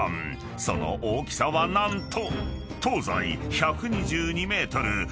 ［その大きさは何と］